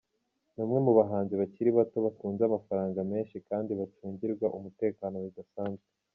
Ni umwe mu bahanzi bakiri bato batunze amafaranga menshi kandi bacungirwa umutekano bidasanzwe.